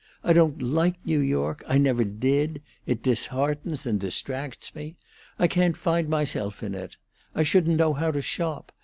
I don't like New York, I never did; it disheartens and distracts me; I can't find myself in it; I shouldn't know how to shop.